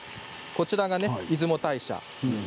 こちらが出雲大社。